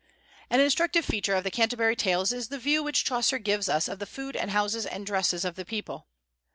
An instructive feature of the "Canterbury Tales" is the view which Chaucer gives us of the food and houses and dresses of the people.